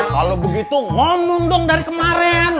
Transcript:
kalau begitu ngomong dong dari kemarin